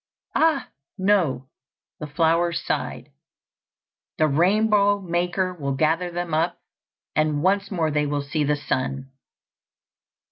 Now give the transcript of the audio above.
"Ah, no," the flowers sighed, "the rainbow maker will gather them up, and once more they will see the sun."